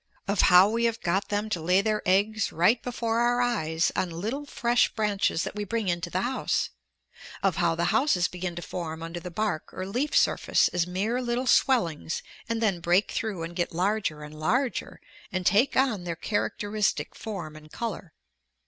Of how we have got them to lay their eggs right before our eyes on little fresh branches that we bring into the house. Of how the houses begin to form under the bark or leaf surface as mere little swellings and then break through and get larger and larger and take on their characteristic form and color.